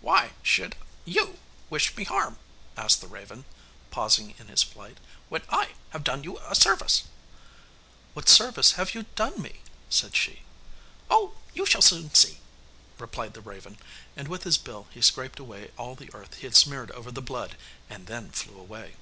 'Why should you wish me harm,' asked the raven pausing in his flight, 'when I have done you a service?' 'What service have you done me?' said she. 'Oh, you shall soon see,' replied the raven, and with his bill he scraped away all the earth he had smeared over the blood and then flew away.